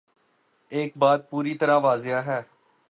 ایک بات پوری طرح واضح ہے۔